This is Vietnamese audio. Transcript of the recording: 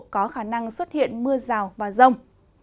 có khả năng xuất hiện mưa rào và rông